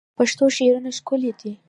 پښتو شعرونه ښکلي دي